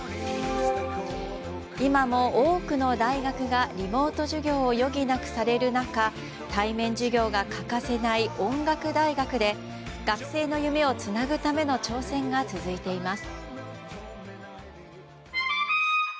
今も多くの大学がリモート授業を余儀なくされる中対面授業が欠かせない音楽大学で学生の夢をつなぐための挑戦が続いています。